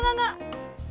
enggak enggak enggak